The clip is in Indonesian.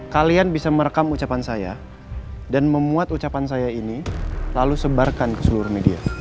kalian bisa merekam ucapan saya dan memuat ucapan saya ini lalu sebarkan ke seluruh media